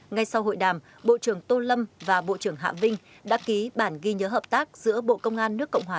ngay sau hội đàm bộ trưởng tô lâm và bộ trưởng hạ vinh đã ký bản ghi nhớ hợp tác giữa bộ công an nước cộng hòa